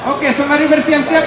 oke semuanya bersiap siap